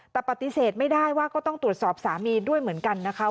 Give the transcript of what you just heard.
แต่ปฏิเสธไม่ได้ว่าก็ต้องตรวจสอบสามีด้วยเหมือนกันนะคะ